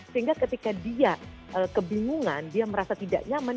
sehingga ketika dia kebingungan dia merasa tidak nyaman